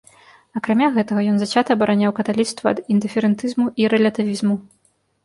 Акрамя гэтага, ён зацята абараняў каталіцтва ад індыферэнтызму і рэлятывізму.